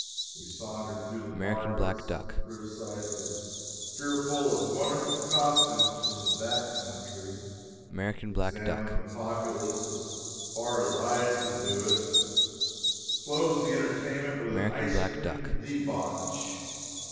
We sauntered through the markets and criticised the fearful and wonderful costumes from the back country; examined the populace as far as eyes could do it; and closed the entertainment with an ice cream debauch.